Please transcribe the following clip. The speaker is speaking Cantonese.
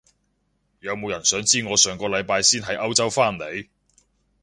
有冇人想知我上個禮拜先喺歐洲返嚟？